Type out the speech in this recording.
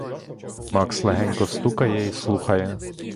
Макс легенько стукає й слухає.